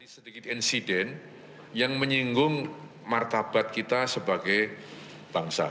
sedikit insiden yang menyinggung martabat kita sebagai bangsa